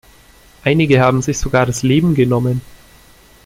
Einige haben sich sogar das Leben genommen.